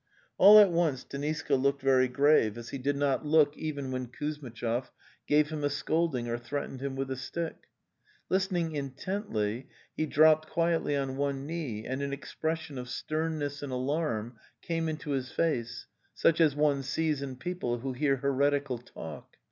All at once Deniska looked very grave, as he did not look even when Kuzmitchov gave him a scolding or threatened him with a stick; listening intently, he dropped quietly on one knee and an expression of sternness and alarm came into his face, such as one sees in people who hear heretical talk.